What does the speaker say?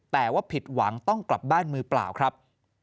แต่ว่าผิดหวังต้องกลับบ้านมือเปล่าครับ